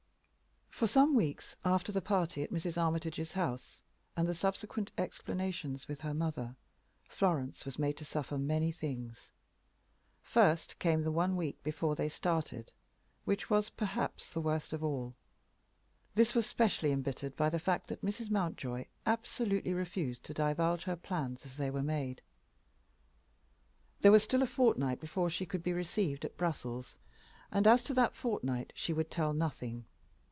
For some weeks after the party at Mrs. Armitage's house, and the subsequent explanations with her mother, Florence was made to suffer many things. First came the one week before they started, which was perhaps the worst of all. This was specially embittered by the fact that Mrs. Mountjoy absolutely refused to divulge her plans as they were made. There was still a fortnight before she could be received at Brussels, and as to that fortnight she would tell nothing.